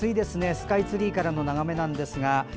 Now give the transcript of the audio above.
スカイツリーからの眺めなんですが。